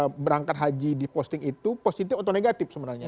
pada saat itu berangkat haji diposting itu positif atau negatif sebenarnya